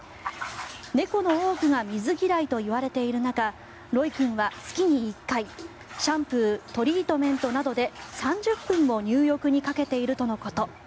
猫の多くが水嫌いといわれている中ロイ君は月に１回、シャンプートリートメントなどで３０分も入浴にかけているとのこと。